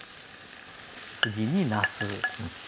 次になす。